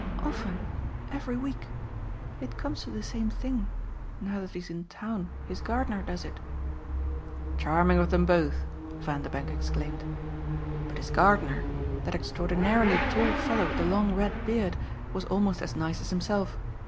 "Often every week. It comes to the same thing now that he's in town his gardener does it." "Charming of them both!" Vanderbank exclaimed. "But his gardener that extraordinarily tall fellow with the long red beard was almost as nice as himself.